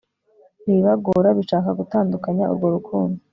ibibagora bishaka gutandukanya urwo rukundo